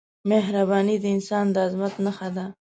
مهرباني د انسان د عظمت نښه ده.